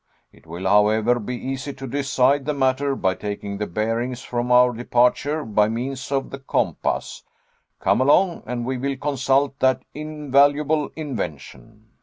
It will, however, be easy to decide the matter by taking the bearings from our departure by means of the compass. Come along, and we will consult that invaluable invention."